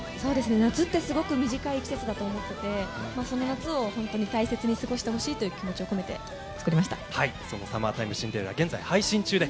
夏ってすごく短い季節だと思っててその夏を大切に過ごしてほしいという気持ちを込めてサマータイムシンデレラ現在配信中で